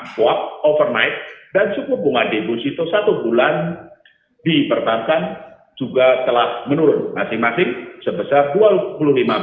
kuap overnight dan suku bunga deposito satu bulan di perpangkat juga telah menurun masing masing sebesar rp dua